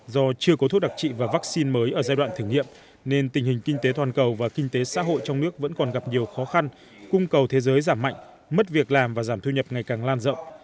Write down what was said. do chưa có thuốc đặc trị và vaccine mới ở giai đoạn thử nghiệm nên tình hình kinh tế toàn cầu và kinh tế xã hội trong nước vẫn còn gặp nhiều khó khăn cung cầu thế giới giảm mạnh mất việc làm và giảm thu nhập ngày càng lan rộng